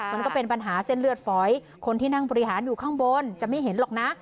มันก็เป็นปัญหาเส้นเลือดฝอยคนที่นั่งบริหารอยู่ข้างบนจะไม่เห็นหรอกนะ